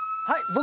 はい！